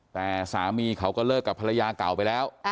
แต่สามีเขาก็เลิกกับภรรยาเก่าไปแล้ว